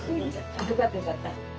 よかったよかった。